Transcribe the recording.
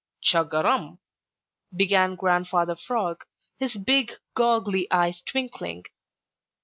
"Chug a rum!" began Grandfather Frog, his big, goggly eyes twinkling.